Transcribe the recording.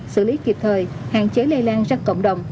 xử lý kịp thời hạn chế lây lan ra cộng đồng